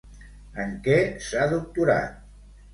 En què s'ha doctorat?